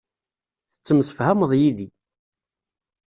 Tettemsefhameḍ yid-i.